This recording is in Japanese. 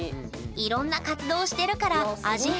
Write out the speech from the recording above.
いろんな活動をしてるから味変もいいね！